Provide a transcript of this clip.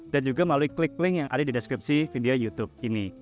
dan juga melalui klik link yang ada di deskripsi video youtube ini